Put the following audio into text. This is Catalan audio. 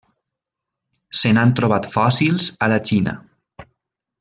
Se n'han trobat fòssils a la Xina.